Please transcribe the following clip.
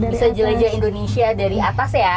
bisa jelajah indonesia dari atas ya